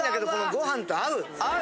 ご飯と合うわ。